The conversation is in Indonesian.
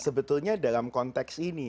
sebetulnya dalam konteks ini